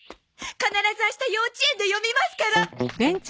必ず明日幼稚園で読みますから！